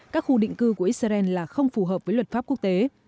các khu định cư của israel là không phù hợp với luật pháp quốc tế